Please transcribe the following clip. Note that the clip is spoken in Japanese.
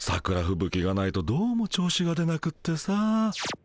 ふぶきがないとどうも調子が出なくてさ。